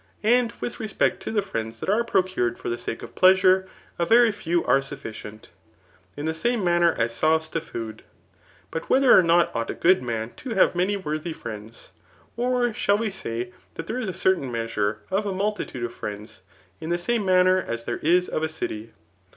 And with req>ect to ^f friends that ai^e procured for the sake of pleasure, a y^ few are sufficient ; in the same manner as sauce to ^ood^ ^uf. whether or not ought a good man to have !9^y worthy friends ? Or shall we say that there is a cifffam mepsure of a multitude of friends, in the same Sumner as t^ere i$ of a city